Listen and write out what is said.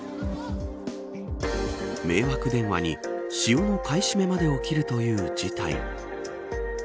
迷惑電話に、塩の買い占めまで起きるという事態。